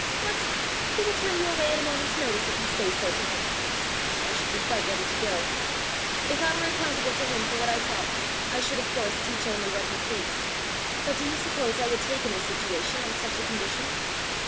"What! He will turn you away at a moment's notice if you say so to him." "I should be quite ready to go. If I were accountable to him for what I taught, I should of course teach only what he pleased. But do you suppose I would take any situation on such a condition?"